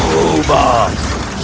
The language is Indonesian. tidak tolong lepaskan aku